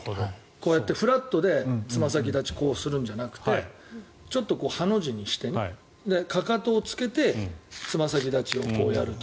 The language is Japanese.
フラットでつま先立ちをするんじゃなくてちょっとハの字にしてかかとをつけてつま先立ちをこうやると。